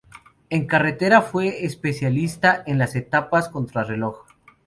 En carretera fue especialista en las etapas contrarreloj.